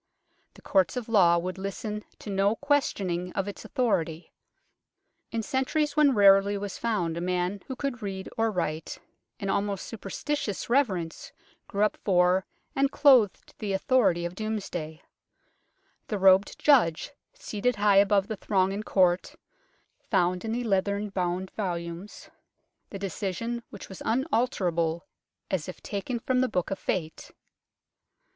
The courts of law would listen to no questioning of its authority. In centuries when rarely was found a man who could read or write, an almost superstitious reverence grew up for and clothed the authority of Domesday ; the robed Judge, seated high above the throng in court, found in the leathern bound volumes the decision which was unalter able as if taken from the Book of Fate.